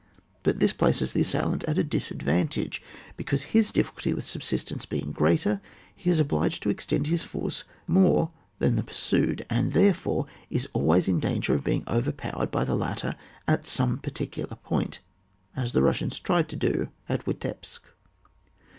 But this places the assailant at a disadvantage, because his difficulty with subsistence being greater, he is obliged to extend his force more than the pursued, and, therefore, is always in danger of being overpowered by the latter at some particular point, as the Bussians tried to do at Witepsk.